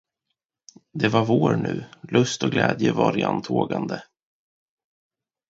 Det var vår nu, lust och glädje var i antågande.